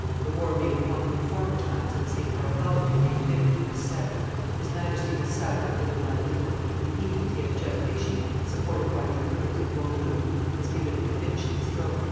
The war made upon them in former times and the St. Bartholomew gave vigor to this sect; his Majesty has sapped it little by little, and the edict he has just issued, supported by dragoons and Bourdaloues, has given it the finishing stroke."